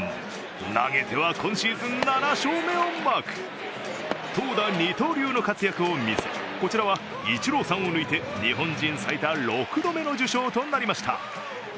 投げては今シーズン７勝目をマーク投打二刀流の活躍を見せこちらはイチローさんを抜いて日本人最多６度目の受賞となりました。